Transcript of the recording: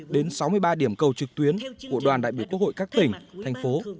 đến sáu mươi ba điểm cầu trực tuyến của đoàn đại biểu quốc hội các tỉnh thành phố